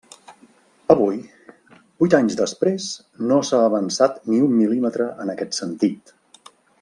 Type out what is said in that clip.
Avui, vuit anys després, no s'ha avançat ni un mil·límetre en aquest sentit.